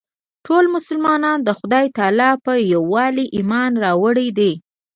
ټولو مسلمانانو د خدای تعلی په یووالي ایمان راوړی دی.